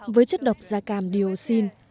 với chất độc da cam dioxin